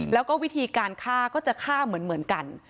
แล้วก็วิธีการฆ่าก็จะฆ่าเหมือนกัน